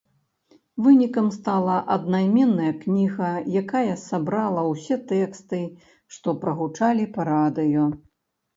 Вынікам стала аднайменная кніга, якая сабрала ўсе тэксты, што прагучалі па радыё.